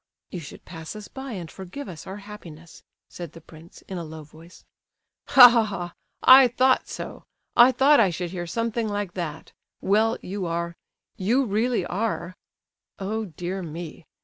"You should pass us by and forgive us our happiness," said the prince in a low voice. "Ha! ha! ha! I thought so. I thought I should hear something like that. Well, you are—you really are—oh dear me!